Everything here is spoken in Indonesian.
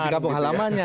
di kampung halamannya